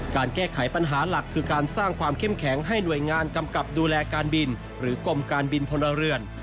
การแก้ไขปัญหาหลักคือการสร้างความเข้มแข็งให้หน่วยงานกำกับดูแลการบินหรือกรมการบินพลเรือน